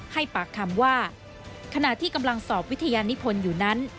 ให้ปากคำว่าขณะที่กำลังสอบวิทยานิพลอยู่นั้น